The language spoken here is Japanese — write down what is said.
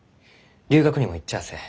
留学にも行っちゃあせん。